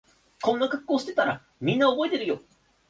こんな格好してたらみんな覚えてるよ